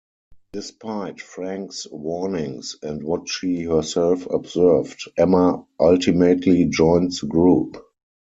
Despite Frank's warnings and what she herself observed, Emma ultimately joined the Group.